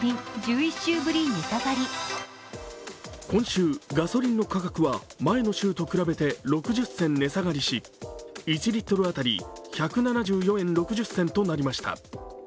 今週、ガソリンの価格は前の週と比べて６０銭値下がりし１リットル当たり１７４円６０銭となりました。